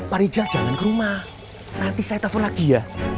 pak rijah jangan ke rumah nanti saya telepon lagi ya